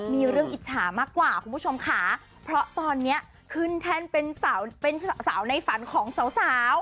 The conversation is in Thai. มีเรื่องอิจฉามากกว่าคุณผู้ชมค่ะเพราะตอนนี้ขึ้นแท่นเป็นสาวเป็นสาวในฝันของสาว